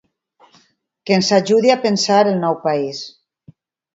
Que ens ajudi a pensar el nou país.